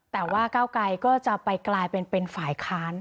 แต่ว่าก้าวไกรก็จะไปกลายเป็นฝ่ายค้าน